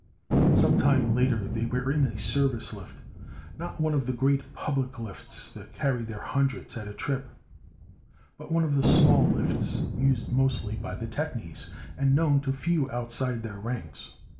Sometime later they were in a service lift; not one of the great public lifts that carried their hundreds at a trip, but one of the small lifts used mostly by the technies, and known to few outside their ranks.